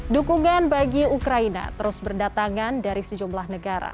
dukungan bagi ukraina terus berdatangan dari sejumlah negara